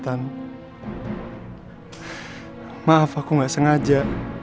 kamu baik buat semuanya